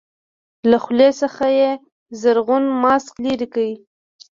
له خولې څخه يې زرغون ماسک لرې کړ.